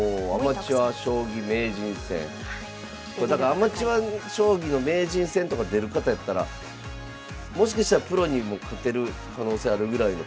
アマチュア将棋の名人戦とか出る方やったらもしかしたらプロにも勝てる可能性あるぐらいの方も。